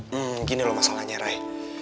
hmm gini loh masalahnya ray